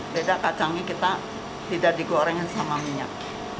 beda kacangnya kita tidak digorengin sama minyak